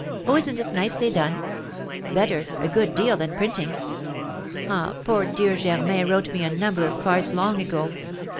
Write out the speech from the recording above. "Oh, isn't it nicely done? Better, a good deal, than printing! Ah, poor dear Germain wrote me a number of cards long ago!